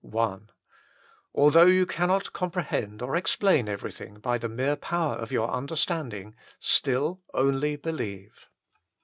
I Although you cannot comprehend or explain everything by the mere power of your understand ing, still :" only believe."